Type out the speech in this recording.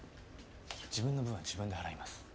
自分の分は自分で払います。